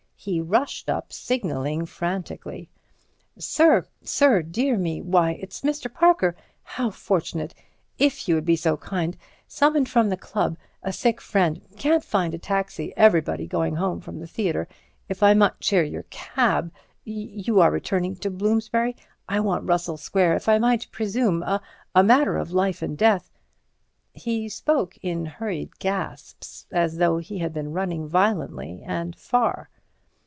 He rushed up, signalling frantically. "Sir—sir!—dear me! why, it's Mr. Parker! How fortunate! If you would be so kind—summoned from the club—a sick friend—can't find a taxi—everybody going home from the theatre—if I might share your cab—you are returning to Bloomsbury? I want Russell Square—if I might presume—a matter of life and death." He spoke in hurried gasps, as though he had been running violently and far.